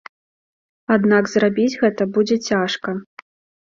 Аднак зрабіць гэта будзе цяжка.